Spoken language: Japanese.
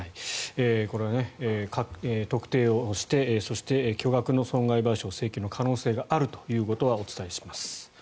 これは特定をしてそして、巨額の損害賠償請求の可能性があるということはお伝えします。